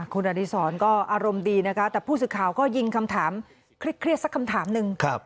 คุณอดีศรก็อารมณ์ดีนะคะแต่ผู้สื่อข่าวก็ยิงคำถามเครียดสักคำถามหนึ่ง